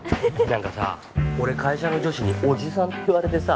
なんかさ俺会社の女子に「おじさん」って言われてさ。